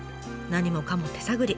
何もかも手探り。